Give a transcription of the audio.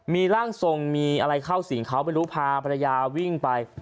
มีร่างทรงมีอะไรเข้าสิ่งเขาไม่รู้พาภรรยาวิ่งไป